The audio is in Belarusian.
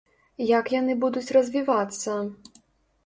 Як яны будуць развівацца?